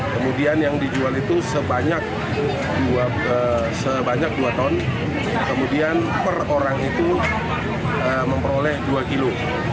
kemudian yang dijual itu sebanyak dua ton kemudian per orang itu memperoleh dua kilo